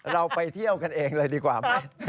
เราไปเที่ยวกันเองเลยดีกว่าไหม